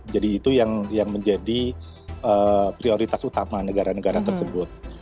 jadi itu yang menjadi prioritas utama negara negara tersebut